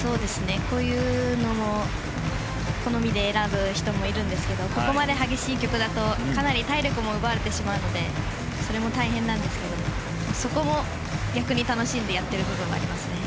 こういうのを好みで選ぶ人もいるんですがここまで激しい曲だとかなり体力も奪われてしまうのでそれも大変なんですけどそこも逆に楽しんでやっている部分がありますね。